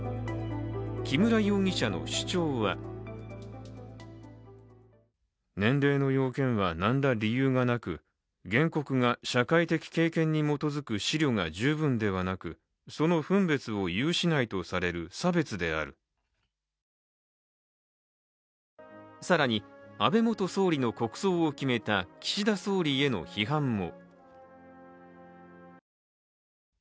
木村容疑者の主張は更に安倍元総理の国葬を決めた岸田総理への批判も。